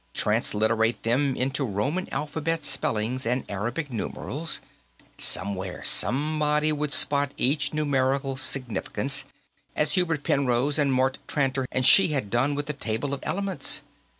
Transliterate them into Roman alphabet spellings and Arabic numerals, and somewhere, somebody would spot each numerical significance, as Hubert Penrose and Mort Tranter and she had done with the table of elements.